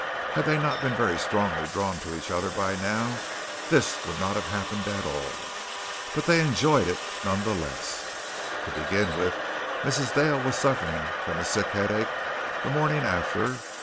Had they not been very strongly drawn to each other by now, this would not have happened at all. But they enjoyed it none the less. To begin with, Mrs. Dale was suffering from a sick headache the morning after.